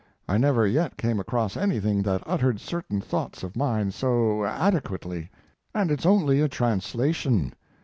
I never yet came across anything that uttered certain thoughts of mine so. adequately. And it's only a translation.